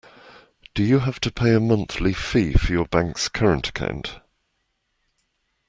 Do you have to pay a monthly fee for your bank’s current account?